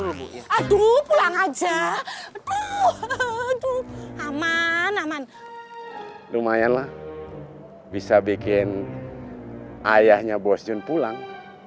dulu ya aduh pulang aja tuh aman aman lumayanlah bisa bikin ayahnya bos jun pulang